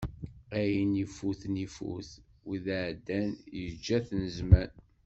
Ayen ifuten ifut, wid iɛeddan yeǧǧa-ten zzman.